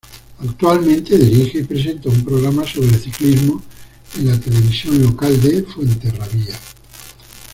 Actualmente dirige y presenta un programa sobre ciclismo en la televisión local de Fuenterrabía.